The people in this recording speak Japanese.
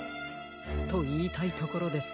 といいたいところですが。